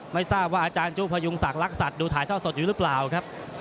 ไม่ทราบว่าอาจารย์จู้พยุงศักดิ์ดูถ่ายเท่าสดอยู่หรือเปล่าครับ